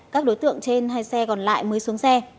các đối tượng trên hai xe còn lại mới xuống xe